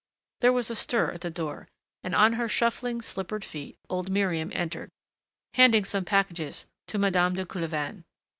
There was a stir at the door and on her shuffling, slippered feet old Miriam entered, handing some packages to Madame de Coulevain.